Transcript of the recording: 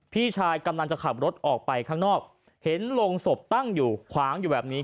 พี่ชายกำลังจะขับรถออกไปข้างนอกเห็นโรงศพตั้งอยู่ขวางอยู่แบบนี้